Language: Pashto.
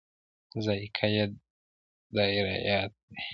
ذایقه یې دای رایاد کړي.